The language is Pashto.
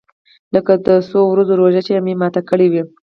لکه د څو ورځو روژه چې مې ماته کړې وي.